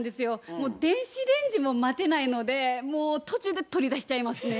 もう電子レンジも待てないのでもう途中で取り出しちゃいますね。